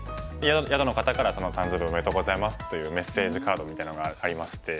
宿の方から「誕生日おめでとうございます」というメッセージカードみたいなのがありまして。